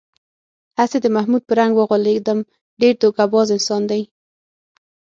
هسې د محمود په رنگ و غولېدم، ډېر دوکه باز انسان دی.